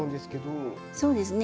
そうですね